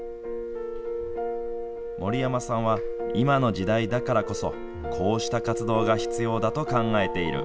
森山さんは今の時代だからこそ、こうした活動が必要だと考えている。